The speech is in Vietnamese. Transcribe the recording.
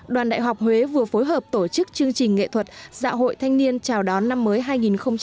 đoàn đại học huế vừa phối hợp tổ chức chương trình nghệ thuật dạo hội thanh niên chào đón năm mới hai nghìn một mươi bảy